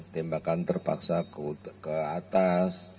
tembakan terpaksa ke atas